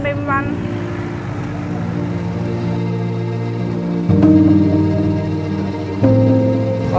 นึงอยู่ในประวัติธรรมในภาค